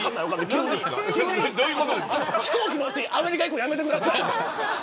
急に飛行機に乗ってアメリカに行くのやめてください。